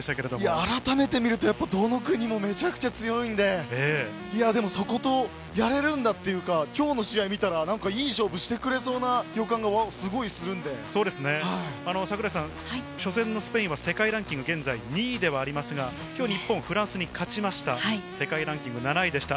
改めて見ると、どの国もめちゃくちゃ強いんで、そことやれるんだというか、今日の試合を見たらいい勝負して初戦のスペインは世界ランキング現在２位ではありますが、今日、日本はフランスに勝ちました、世界ランキング７位でした。